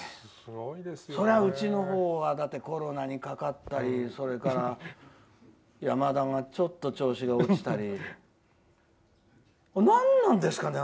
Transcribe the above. そりゃうちのほうはコロナにかかったり、それから山田がちょっと調子が落ちたり何なんですかね。